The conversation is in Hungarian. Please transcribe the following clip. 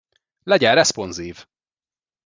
Legyen reszponzív!